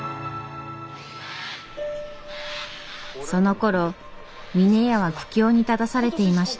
そのころ峰屋は苦境に立たされていました。